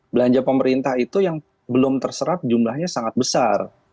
belanja pemerintah itu yang belum terserap jumlahnya sangat besar